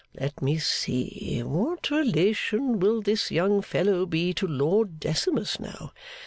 Let me see. What relation will this young fellow be to Lord Decimus now?